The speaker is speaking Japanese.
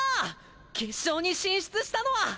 決勝に進出したのは！